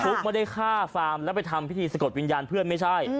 ุ๊กไม่ได้ฆ่าฟาร์มแล้วไปทำพิธีสะกดวิญญาณเพื่อนไม่ใช่